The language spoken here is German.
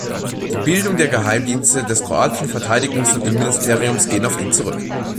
Die Bildung der Geheimdienste des kroatischen Verteidigungs- und Innenministeriums gehen auf ihn zurück.